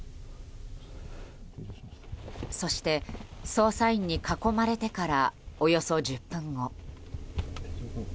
そして、捜査員に囲まれてからおよそ１０分後。